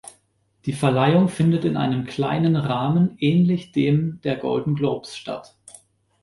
Die Verleihung findet in einem kleinen Rahmen ähnlich dem der Golden Globes statt.